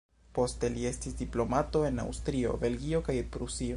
Poste li estis diplomato en Aŭstrio, Belgio kaj Prusio.